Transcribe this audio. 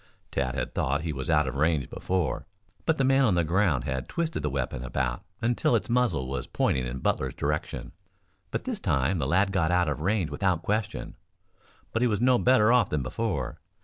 Tad had thought he was out of range before, but the man on the ground had twisted the weapon about until its muzzle was pointing in Butler's direction. But this time the lad got out of range without question. But he was no better off than before.